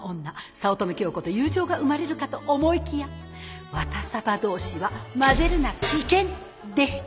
早乙女京子と友情が生まれるかと思いきやワタサバ同士は「まぜるな危険」でした。